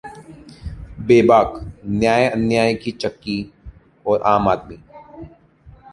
बेबाकः न्याय-अन्याय की चक्की और आम आदमी